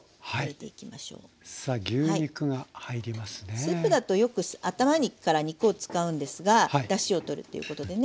スープだとよく頭から肉を使うんですがだしをとるっていうことでね。